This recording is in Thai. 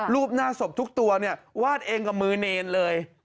รูปหน้าศพทุกตัวเนี่ยวาดเองกับมือเนรเลย